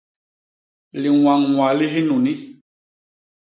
Liñwañwa li hinuni.